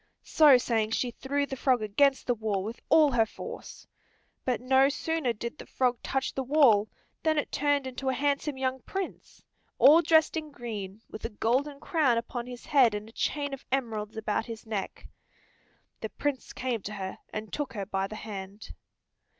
So saying she threw the frog against the wall with all her force. But no sooner did the frog touch the wall than it turned into a handsome young prince, all dressed in green, with a golden crown upon his head, and a chain of emeralds about his neck. The Prince came to her, and took her by the hand.